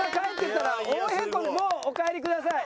もうお帰りください。